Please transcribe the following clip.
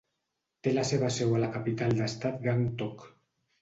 Té la seva seu a la capital d'estat Gangtok.